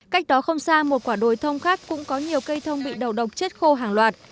cách đó không xa một quả đồi thông khác cũng có nhiều cây thông bị đầu độc chết khô hàng loạt